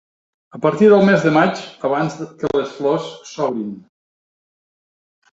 A partir del mes de maig, abans que les flors s'obrin.